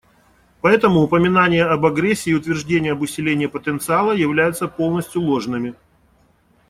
Поэтому упоминания об агрессии и утверждения об усилении потенциала являются полностью ложными.